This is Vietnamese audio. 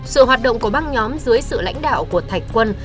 sự hoạt động của băng nhóm dưới sự lãnh đạo của thạch quân